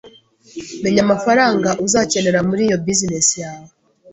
Menya amafaranga uzacyenera muri iyo Business yawe